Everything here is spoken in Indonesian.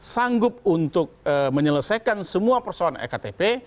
sanggup untuk menyelesaikan semua persoalan ektp